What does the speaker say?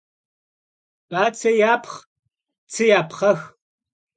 Batse yapxh, tsı yapxhex.